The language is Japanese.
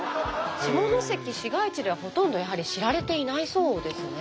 下関市街地ではほとんどやはり知られていないそうですね。